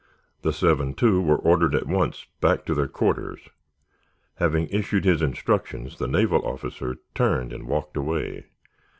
The seven, too, were ordered at once back to their quarters. Having issued his instructions, the naval officer turned and walked away.